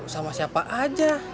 sama siapa aja